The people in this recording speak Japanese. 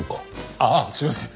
ああすいません！